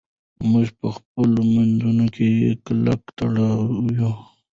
موږ په خپلو منځونو کې کلک تړلي یو.